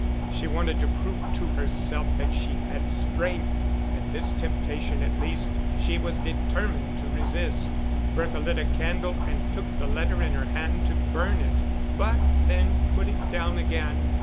She wanted to prove to herself that she had strength; and this temptation at least she was determined to resist. Bertha lit a candle and took the letter in her hand to burn it, but then put it down again.